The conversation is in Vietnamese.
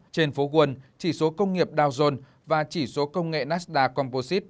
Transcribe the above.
trên phố quân chỉ số công nghiệp dow jones và chỉ số công nghệ nasdaq composite